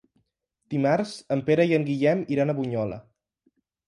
Dimarts en Pere i en Guillem iran a Bunyola.